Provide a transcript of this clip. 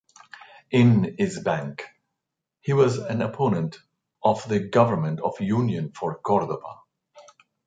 In is bank, he was an opponent of the government of Union for Córdoba.